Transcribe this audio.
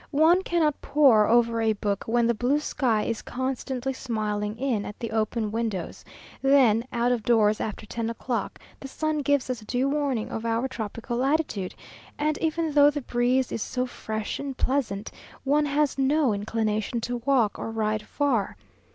One cannot pore over a book when the blue sky is constantly smiling in at the open windows; then, out of doors after ten o'clock, the sun gives us due warning of our tropical latitude, and even though the breeze is so fresh and pleasant, one has no inclination to walk or ride far.